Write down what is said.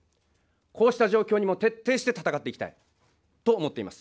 こうした状況にも徹底して戦っていきたいと思っております。